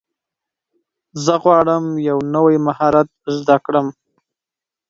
زه غواړم یو نوی مهارت زده کړم.